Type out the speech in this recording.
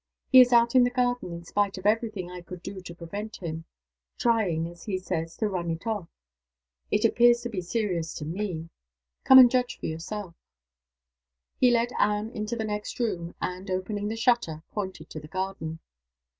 He is out in the garden in spite of every thing I could do to prevent him; trying, as he says, to 'run it off.' It appears to be serious to me.. Come and judge for yourself." He led Anne into the next room; and, opening the shutter, pointed to the garden.